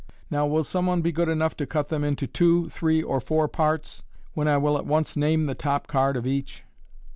Now will some one be good enough to cut them into two, three, or four parts, when I will at once name the top card of each."